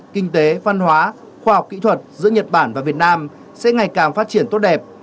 kinh tế văn hóa khoa học kỹ thuật giữa nhật bản và việt nam sẽ ngày càng phát triển tốt đẹp